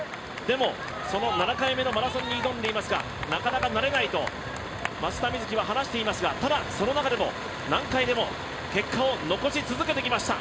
７回目のマラソンに挑んでいますがなかなか慣れないと松田瑞生は話していますがただその中でも、何回でも結果を残し続けてきました。